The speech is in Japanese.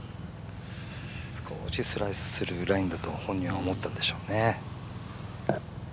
少しスライスするラインだと本人は思ったんでしょうね。